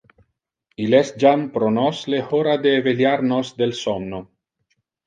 Il es jam pro nos le hora de eveliar nos del somno.